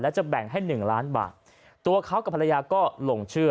จะแบ่งให้หนึ่งล้านบาทตัวเขากับภรรยาก็หลงเชื่อ